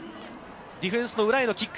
ディフェンスの裏へのキック。